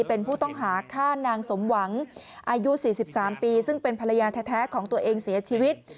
เป็นผู้ต้องหาฆ่านางสมหวังอายุ๔๓ปีซึ่งเป็นภรรยาแท้ของตัวเองเสียชีวิต